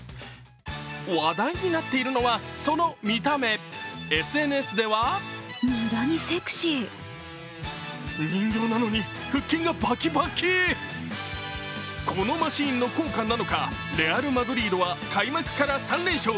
話題になっているのは、その見た目ＳＮＳではこのマシンの効果なのか、レアル・マドリードは開幕から３連勝。